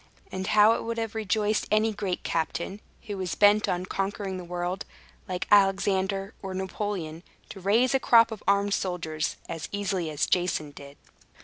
And how it would have rejoiced any great captain, who was bent on conquering the world, like Alexander or Napoleon, to raise a crop of armed soldiers as easily as Jason did!